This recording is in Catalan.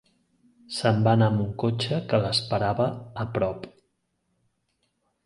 Se'n va anar amb un cotxe que l'esperava a prop.